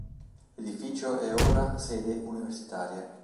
L'edificio è ora sede universitaria.